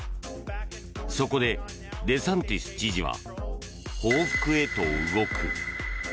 そこで、デサンティス知事は報復へと動く。